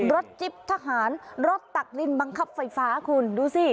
จิ๊บทหารรถตักดินบังคับไฟฟ้าคุณดูสิ